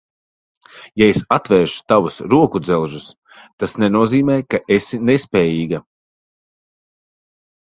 Ja es atvēršu tavus rokudzelžus, tas nenozīmē, ka esi nespējīga.